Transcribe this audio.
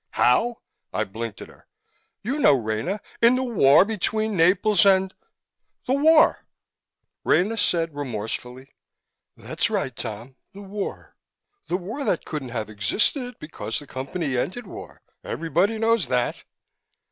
"How?" I blinked at her. "You know how, Rena. In the war between Naples and the war "Rena said remorselessly, "That's right, Tom, the war. The war that couldn't have existed, because the Company ended war everybody knows that.